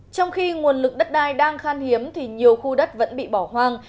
trong khi nguồn lực đất đai đang khan hiếm thì nhiều khu đất vẫn bị bỏ hoang